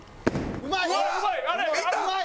うまい！